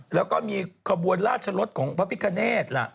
แล้วก็มีขบวนราชรถของพระพิฆเนท